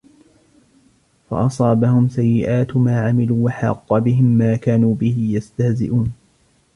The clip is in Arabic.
فَأَصَابَهُمْ سَيِّئَاتُ مَا عَمِلُوا وَحَاقَ بِهِمْ مَا كَانُوا بِهِ يَسْتَهْزِئُونَ